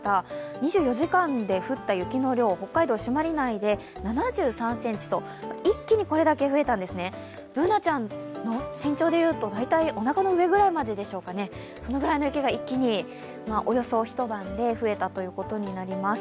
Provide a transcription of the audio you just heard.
２４時間で降った雪の量、北海道朱鞠内で７３ｃｍと一気にこれだけ増えたんですね、Ｂｏｏｎａちゃんの身長でいうと大体おなかの上くらいでしょうか、そのぐらいの雪が一気に、およそ一晩で増えたということになります。